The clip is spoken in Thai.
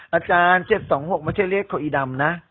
อาจารย์เจ็ตสองหกไม่ใช่เลขเขาอีดำนะ